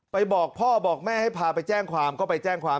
บอกพ่อบอกแม่ให้พาไปแจ้งความก็ไปแจ้งความ